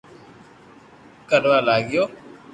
ڪروا لاگيو